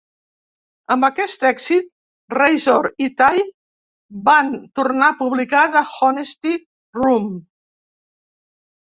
Amb aquest èxit, Razor i Tie van tornar a publicar The Honesty Room.